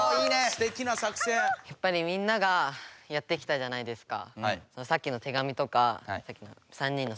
やっぱりみんながやってきたじゃないですか。